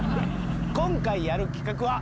今回やる企画は。